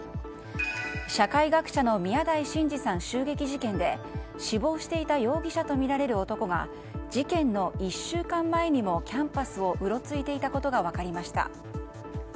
社会学者の宮台真司さん襲撃事件で死亡していた容疑者とみられる男が事件の１週間前にもキャンパスをうろついていたことが分かりました。